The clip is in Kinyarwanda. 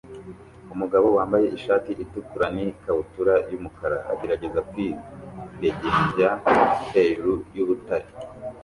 Umugabo wambaye ishati itukura n ikabutura yumukara agerageza kwidegembya hejuru yubutare